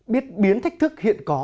biết biến thách thức hiện có